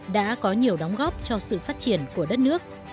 đã có nhiều đóng góp cho sự phát triển của đất nước